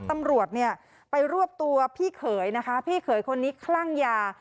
ตำรวจเนี่ยไปรวบตัวพี่เขยนะคะพี่เขยคนนี้คลั่งยา